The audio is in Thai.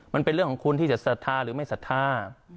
มันเป็นเรื่องของคุณที่จะศรัทธาหรือไม่ศรัทธา